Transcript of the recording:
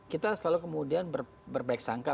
kita selalu kemudian berbaik sangka